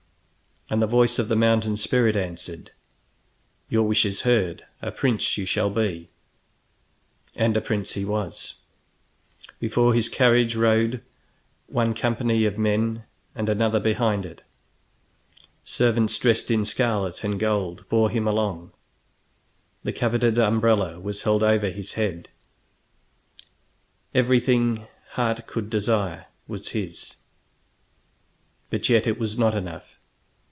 And the voice of the mountain spirit answered: "Your wish is heard; a prince you shall be." And a prince he was. Before his carriage rode one company of men and another behind it; servants dressed in scarlet and gold bore him along, the coveted umbrella was held over his head, everything heart could desire was his. But yet it was not enough.